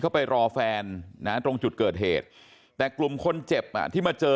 ไปรอแฟนนะตรงจุดเกิดเหตุแต่กลุ่มคนเจ็บอ่ะที่มาเจอ